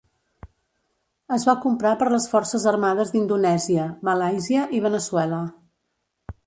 Es va comprar per les forces armades d'Indonèsia, Malàisia i Veneçuela.